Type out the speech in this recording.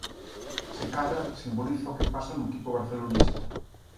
Se cadra, simboliza o que pasa no equipo barcelonista.